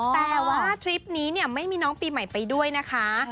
แต่ว่าทริปนี้เนี่ยไม่มีน้องปีใหม่ไปด้วยนะคะ